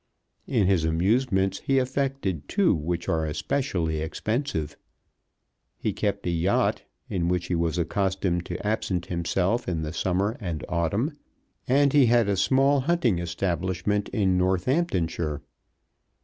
In his amusements he affected two which are especially expensive. He kept a yacht, in which he was accustomed to absent himself in the summer and autumn, and he had a small hunting establishment in Northamptonshire.